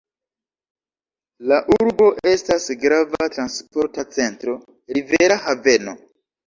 La urbo estas grava transporta centro, rivera haveno.